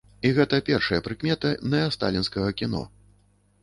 І гэта першая прыкмета нэасталінскага кіно.